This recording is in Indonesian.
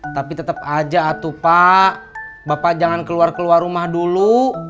tapi tetap aja tuh pak bapak jangan keluar keluar rumah dulu